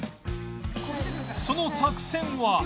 その作戦は